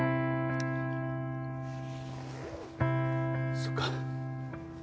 そっか。